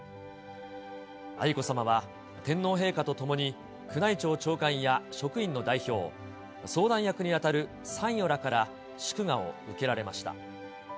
愛子さまは天皇陛下と共に、宮内庁長官や職員の代表、相談役に当たる参与らから祝賀を受けられました。